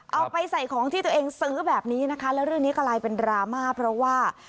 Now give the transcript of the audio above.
เอาไปใส่ของที่ตัวเองซื้อแบบนี้นะคะแล้วเรื่องนี้กลายเป็นดราม่าเพราะว่า